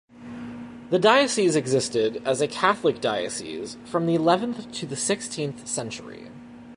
The diocese existed as a Catholic diocese from the eleventh to the sixteenth century.